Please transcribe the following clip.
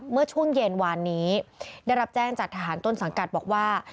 เมื่อช่วงเย็นวานนี้ได้รับแจ้งจากทหารต้นสังกัดบอกว่า